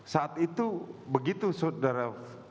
saat itu begitu saudara